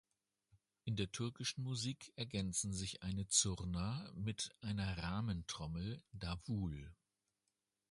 In der türkischen Musik ergänzen sich eine "zurna" mit einer Rahmentrommel "davul".